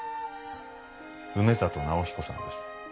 梅里尚彦さんです。